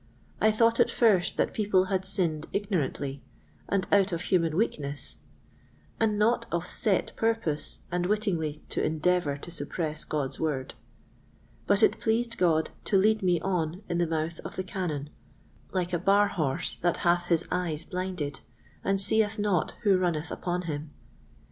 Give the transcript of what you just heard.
I thought at first that people had sinned ignorantly, and out of human weakness, and not of set purpose and wittingly to endeavour to suppress God's Word; but it pleased God to lead me on in the mouth of the cannon, like a bar horse that hath his eyes blinded, and seeth not who runneth upon him.